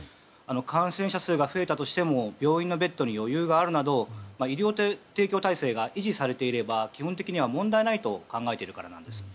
感染者数が増えたとしても病院のベッドに余裕があるなど医療提供体制が維持されていれば基本的には問題ないと考えているからなんです。